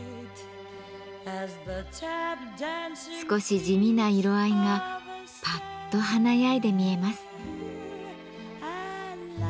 少し地味な色合いがパッと華やいで見えます。